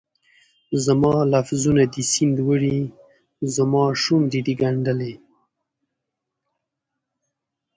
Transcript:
زما لفظونه دي سیند وړي، زماشونډې دي ګنډلي